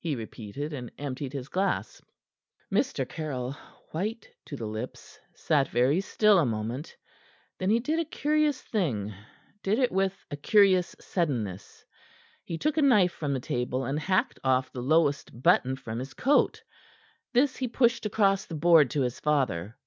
he repeated, and emptied his glass. Mr. Caryll, white to the lips, sat very still a moment. Then he did a curious thing; did it with a curious suddenness. He took a knife from the table, and hacked off the lowest button from his coat. This he pushed across the board to his father.